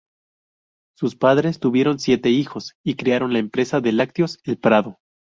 Sus padres, tuvieron siete hijos y crearon la empresa de lácteos El Prado.